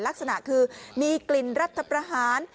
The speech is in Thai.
ลักษณะคือมีกลิ่นรัฐประหาร